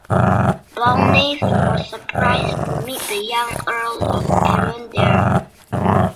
Balnaves was surprised to meet the young Earl of Arran there.